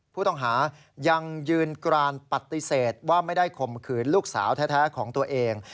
ผู้ต้องหายังยืนกรานปฏิเสธว่าไม่ได้ข่มขืนลูกสาวแท้ของตัวเอง